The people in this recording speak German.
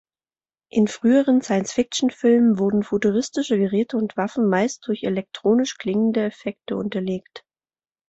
In früheren Science-Fiction-Filmen wurden futuristische Geräte und Waffen meist durch elektronisch klingende Effekte unterlegt.